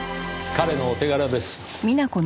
彼のお手柄です。